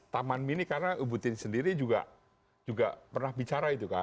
taman mini karena ibu tin sendiri juga pernah bicara itu kan